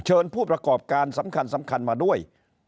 ผู้ประกอบการสำคัญมาด้วย